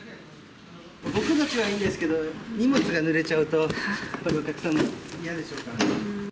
僕たちはいいんですけど、荷物がぬれちゃうと、お客さん、嫌でしょうから。